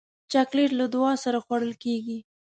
چاکلېټ له دعا سره خوړل کېږي.